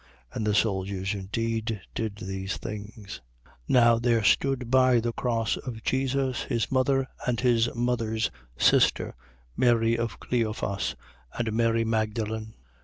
And the soldiers indeed did these things. 19:25. Now there stood by the cross of Jesus, his mother and his mother's sister, Mary of Cleophas, and Mary Magdalen.